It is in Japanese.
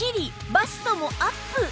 バストもアップ！